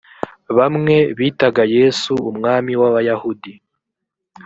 bamwe bitaga yesu umwami w’abayahudi